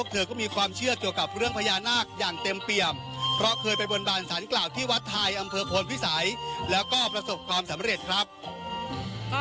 ก็อย่างก็มีค่ะอย่างอย่างข้อสอบอย่างนี้นะก็สอบก็ไปขอขอพรจากท่านพญานาคก็ถือว่าสำเร็จนะคะ